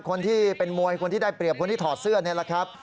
คนที่เป็นมวยคนที่ได้เปรียบคนที่ถอดเสื้อนี่แหละครับ